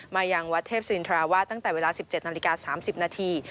ยังวัดเทพศินทราวาสตั้งแต่เวลา๑๗นาฬิกา๓๐นาที